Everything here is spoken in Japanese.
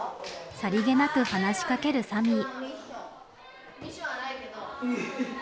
さりげなく話しかけるサミー。